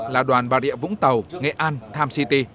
là đoàn bà rịa vũng tàu nghệ an tham city